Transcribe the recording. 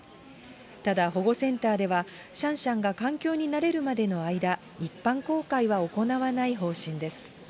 ただ、保護センターではシャンシャンが環境に慣れるまでの間、一般公開は行わない方針です。